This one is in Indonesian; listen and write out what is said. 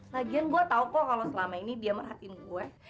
lagian gue tau kok kalau selama ini dia merhatiin gue